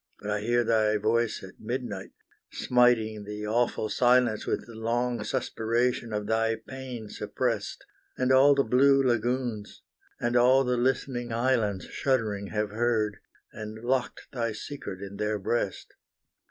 But I hear thy voice at midnight, smiting the awful silence With the long suspiration of thy pain suppressed; And all the blue lagoons, and all the listening islands Shuddering have heard, and locked thy secret in their breast!